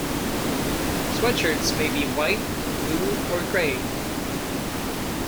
Sweatshirts may be white, blue or gray.